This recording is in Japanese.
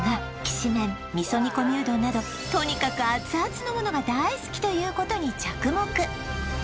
しめん味噌煮込みうどんなどとにかく熱々のものが大好きということに着目